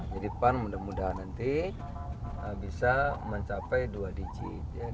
jadi pak mudah mudahan nanti bisa mencapai dua digit